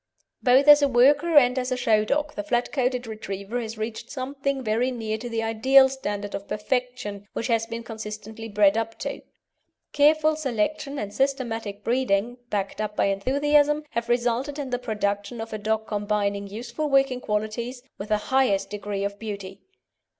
Both as a worker and as a show dog the flat coated Retriever has reached something very near to the ideal standard of perfection which has been consistently bred up to. Careful selection and systematic breeding, backed up by enthusiasm, have resulted in the production of a dog combining useful working qualities with the highest degree of beauty.